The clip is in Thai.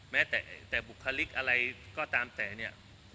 แม้แต่บุคลิกอะไรก็ตามแต่เนี่ย